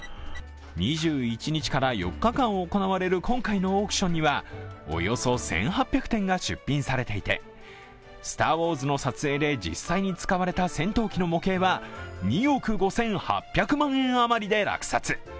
２１日から４日間行われる今回のオークションにはおよそ１８００点が出品されていて、「スター・ウォーズ」の撮影で実際に使われた戦闘機の模型は２億５８００万円あまりで落札。